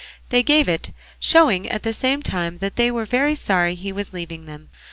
They gave it, showing at the same time that they were very sorry he was leaving them.